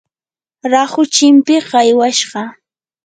rahu chimpiq aywashqa.